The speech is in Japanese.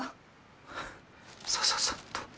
ハさささっと。